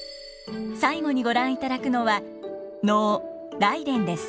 最後にご覧いただくのは能「来殿」です。